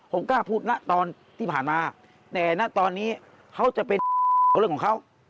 ผมกล้าพูดณตอนที่ผ่านมาแต่ณตอนนี้เขาจะเป็นของเขา